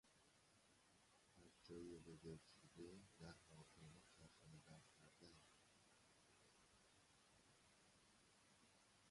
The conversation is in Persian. از جای رزرو شده در هواپیما صرفنظرکردن